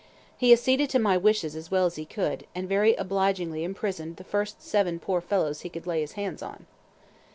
He acceded to my wishes as well as he could, and very obligingly imprisoned the first seven poor fellows he could lay his hands on.